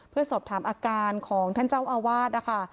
เพื่อสอบถามอาการของท่านเจ้าอาวาสนะคะ